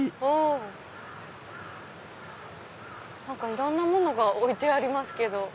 いろんなものが置いてありますけど。